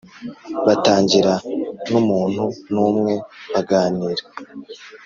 batangira n’umuntu numwe baganira